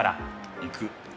行く。